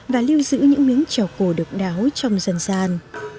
và lưu giữ những miếng trèo cổ độc đáo trong dân gian